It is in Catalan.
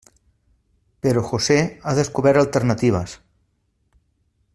Però José ha descobert alternatives.